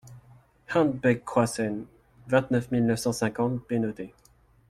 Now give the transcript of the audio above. Hent Bec Kroissen, vingt-neuf mille neuf cent cinquante Bénodet